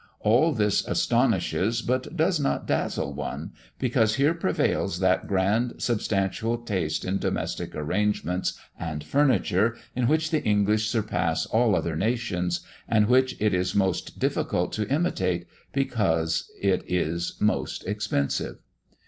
All this astonishes but does not dazzle one, because here prevails that grand substantial taste in domestic arrangements and furniture, in which the English surpass all other nations, and which it is most difficult to imitate, because it is most expensive.